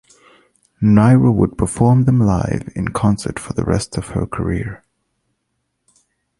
Nyro would perform them live in concert for the rest of her career.